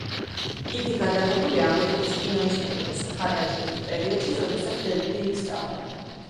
იგი გადაღებულია ამერიკის კინოინსტიტუტის მხარდაჭერით, პერიოდში, როდესაც დევიდი იქ სწავლობდა.